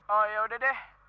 oh yaudah deh